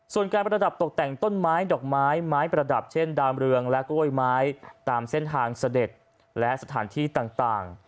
ส่วนการประดับตกแต่งต้นไม้ดอกไม้ไม้ประดับเช่นดามเรืองและกล้วยไม้ตามเส้นทางเสด็จและสถานที่ต่าง